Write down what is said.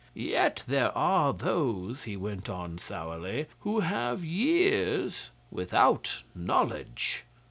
'Yet there are those,' he went on sourly, 'who have years without knowledge.